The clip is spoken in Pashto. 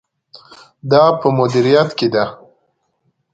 دا په مدیریت کې ده.